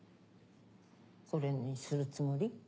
コレにするつもり？